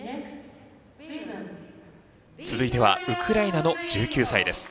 続いてはウクライナの１９歳です。